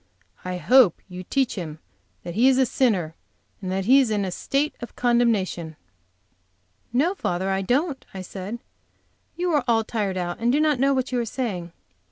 I hope you teach him that he is a sinner, and that he is in a state of condemnation." "Now, father, don't," I said. "You are all tired out, and do not know what you are saying.